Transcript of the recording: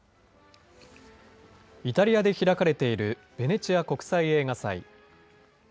イタリアで開かれているベネチア国際映画祭。